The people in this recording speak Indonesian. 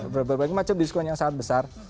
berbagai macam diskon yang sangat besar